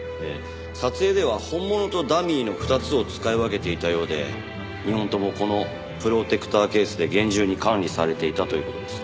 撮影では本物とダミーの２つを使い分けていたようで２本ともこのプロテクターケースで厳重に管理されていたという事です。